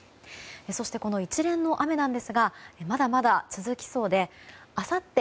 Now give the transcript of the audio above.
そして、一連の雨ですがまだまだ続きそうであさって